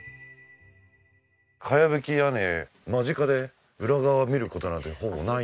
茅葺き屋根間近で裏側見る事なんてほぼないんで。